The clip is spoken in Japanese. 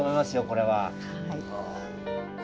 これは。